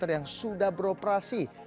yang sudah beroperasi